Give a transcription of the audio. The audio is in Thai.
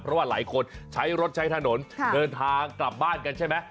เพราะว่าหลายคนใช้รถใช้ถนนเดินทางกลับบ้านกันใช่ไหม